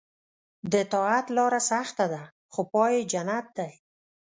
د طاعت لاره سخته ده خو پای یې جنت دی.